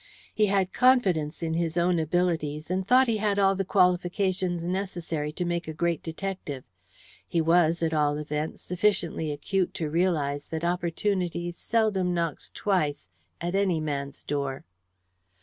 He had confidence in his own abilities, and thought he had all the qualifications necessary to make a great detective. He was, at all events, sufficiently acute to realize that opportunity seldom knocks twice at any man's door.